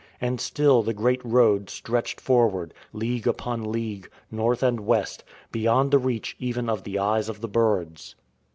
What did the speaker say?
And still the Great Road stretched forward, league upon league, North and West, beyond the reach even of the eyes of the birds.